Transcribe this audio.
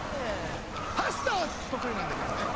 パスタは得意なんだけどね。